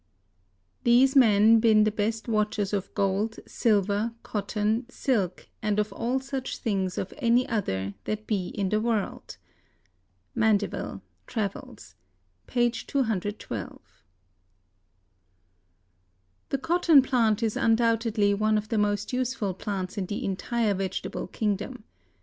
Theise men ben the beste worchers of Gold, Sylver, Cottoun, Sylk and of all such things of any other, that be in the World. —Mandeville, Travels, p. 212. The cotton plant is undoubtedly one of the most useful plants in the entire vegetable kingdom.